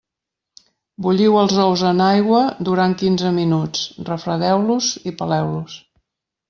Bulliu els ous en aigua durant quinze minuts, refredeu-los i peleu-los.